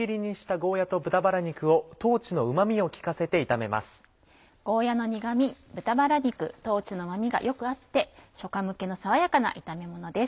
ゴーヤの苦味豚バラ肉豆のうま味がよく合って初夏向けの爽やかな炒めものです。